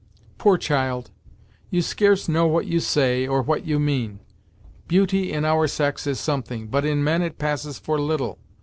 "Poor child! You scarce know what you say, or what you mean! Beauty in our sex is something, but in men, it passes for little.